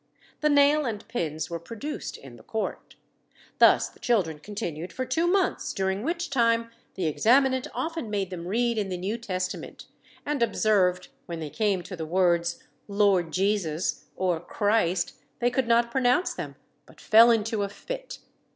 The nail and pins were produced in the court. Thus the children continued for two months, during which time the examinant often made them read in the New Testament, and observed, when they came to the words Lord Jesus, or Christ, they could not pronounce them, but fell into a fit.